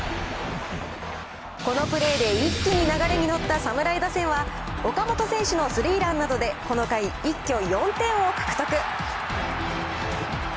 このプレーで一気に流れに乗った侍打線は、岡本選手のスリーランなどでこの回、一挙４点を獲得。